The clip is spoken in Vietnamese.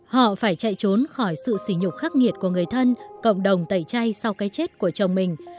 họ phải chạy trốn khỏi sự xỉ nhục khắc nghiệt của người thân cộng đồng tẩy chay sau cái chết của chồng mình